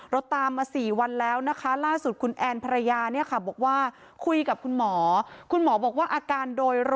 เราตามมา๔วันแล้วล่าสุดคุณแอนพระยาร